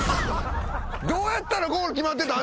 どうやったらゴール決まってたん？